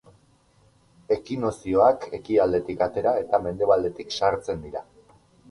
Ekinokzioak ekialdetik atera eta mendebaldetik sartzen dira.